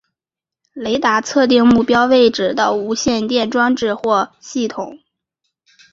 雷达是测定目标位置的无线电装置或系统。